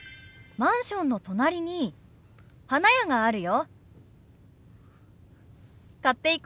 「マンションの隣に花屋があるよ」。